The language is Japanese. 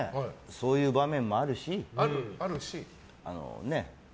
そういう場面もあるしね？